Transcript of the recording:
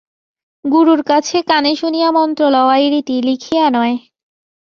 গুরুর কাছে কানে শুনিয়া মন্ত্র লওয়াই রীতি, লিখিয়া নয়।